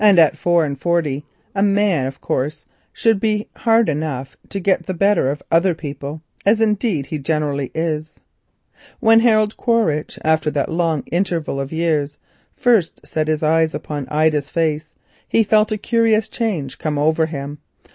At four and forty a man, of course, should be hard enough to get the better of other people, as indeed he generally is. When Harold Quaritch, after that long interval, set his eyes again upon Ida's face, he felt a curious change come over him.